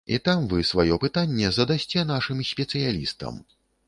І там вы сваё пытанне задасце нашым спецыялістам.